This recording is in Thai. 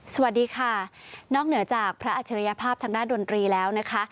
สวัสดีค่ะนอกเหนือจากพระอัจฉริยภาพทางด้านดนตรีแล้วนะคะ